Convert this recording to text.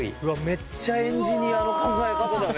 めっちゃエンジニアの考え方だね。